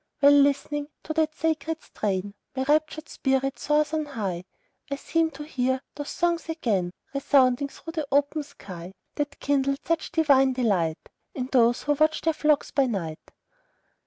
While listening to that sacred strain, My raptured spirit soars on high; I seem to hear those songs again Resounding through the open sky, That kindled such divine delight, In those who watched their flocks by night.